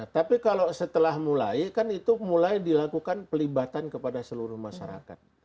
tapi kalau setelah mulai kan itu mulai dilakukan pelibatan kepada seluruh masyarakat